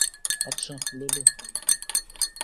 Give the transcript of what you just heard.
আচ্ছা, লুলু।